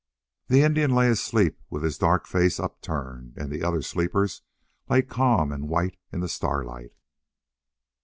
The Indian lay asleep with his dark face upturned, and the other sleepers lay calm and white in the starlight.